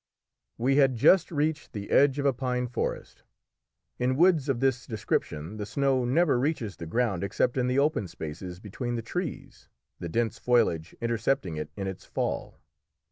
We had just reached the edge of a pine forest. In woods of this description the snow never reaches the ground except in the open spaces between the trees, the dense foliage intercepting it in its fall.